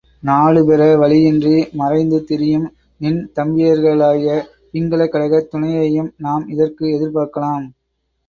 நாடுபெற வழியின்றி மறைந்து திரியும் நின் தம்பியர்களாகிய பிங்கல கடகர் துணையையும் நாம் இதற்கு எதிர்பார்க்கலாம்.